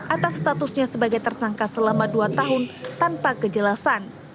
atas statusnya sebagai tersangka selama dua tahun tanpa kejelasan